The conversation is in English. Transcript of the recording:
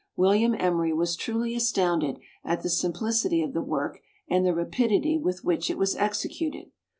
William Emery was truly astounded at the simplicity of the work and the rapidity with which it was executed.